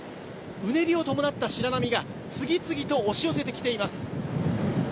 うねりを伴った白波が次々と押し寄せてきています。